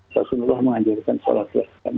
rasulullah mengajarkan sholat di rumah masing masing